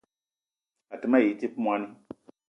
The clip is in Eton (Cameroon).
A te ma yi dzip moni